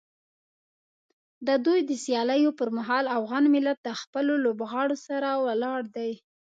د دوی د سیالیو پر مهال افغان ملت د خپلو لوبغاړو سره ولاړ دی.